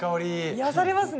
癒やされますね。